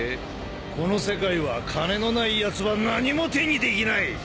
この世界は金のないやつは何も手にできない。